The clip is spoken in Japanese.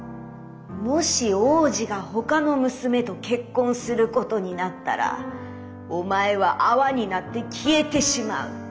もしおうじがほかのむすめとけっこんすることになったらおまえはあわになってきえてしまう。